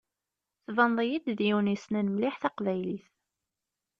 Tbaneḍ-iyi-d d yiwen yessnen mliḥ taqbaylit.